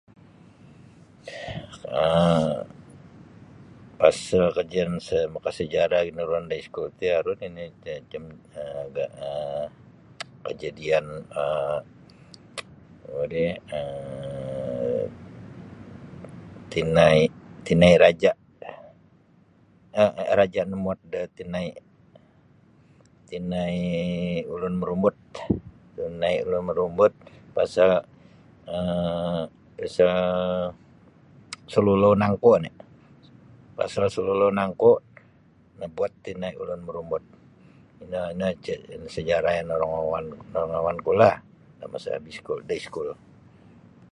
um Pasal kajian makasejarah ginuruan da iskul ti aru nini macam kejadian um tinai' raja um raja namuat da tinai' tinai' ulun marumbut tinai' ulun marumbut pasal um pasal salulou nangku. oni. Pasal salulou nangku nabuat tinai' ulun marumbut. Ino sejarah yang norongouonku lah da masa semasa biskul.